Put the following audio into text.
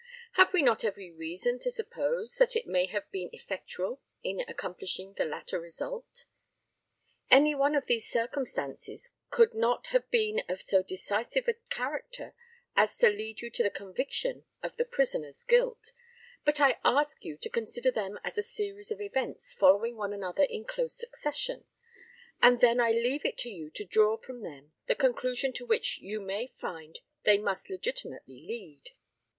Have we not every reason to suppose that it may have been effectual in accomplishing the latter result? Any one of these circumstances could not have been of so decisive a character as to lead you to the conviction of the prisoner's guilt; but I ask you to consider them as a series of events following one another in close succession; and I then leave it to you to draw from them the conclusion to which you may find they must legitimately lead.